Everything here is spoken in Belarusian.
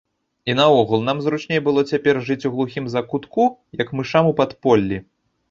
І наогул нам зручней было цяпер жыць у глухім закутку, як мышам у падполлі.